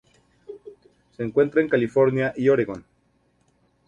Se encuentra en California y Oregon.